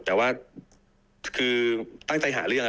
แต่ตั้งใจหาเรื่อง